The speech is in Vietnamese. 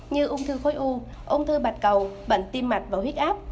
như ung thư khối u ung thư bạch cầu bệnh tim mạch và huyết áp